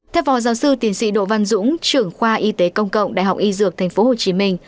theo phó giáo sư tiến sĩ đỗ văn dũng trưởng khoa y tế công cộng đại học y dược tp hcm